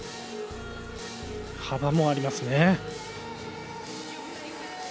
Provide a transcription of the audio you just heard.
幅もありますね。